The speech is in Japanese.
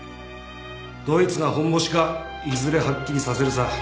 どいつがホンボシかいずれはっきりさせるさ。